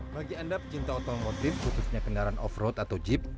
bagi anda pecinta otomotif khususnya kendaraan off road atau jeep